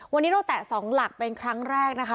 วันนี้เราแตะ๒หลักเป็นครั้งแรกนะคะ